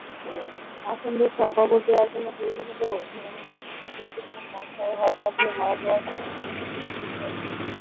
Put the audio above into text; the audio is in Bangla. আখন্দ স্ব-কবর দেওয়ার জন্য তৈরি হলেও যেহেতু তিনি মক্কায় হজযাত্রায় মারা যাওয়ায় গম্বুজটি শূন্য রয়েছে।